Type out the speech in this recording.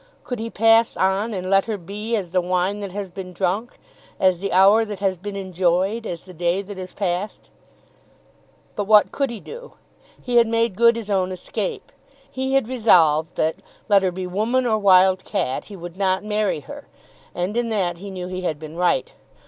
Could he pass on and let her be as the wine that has been drunk, as the hour that has been enjoyed, as the day that is past? But what could he do? He had made good his own escape. He had resolved that, let her be woman or wild cat, he would not marry her, and in that he knew he had been right.